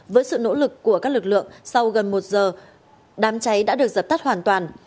với sự nỗ lực của các lực lượng sau gần một giờ đám cháy đã được dập tắt hoàn toàn